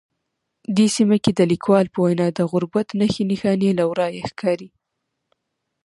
دې سیمه کې د لیکوال په وینا د غربت نښې نښانې له ورایه ښکاري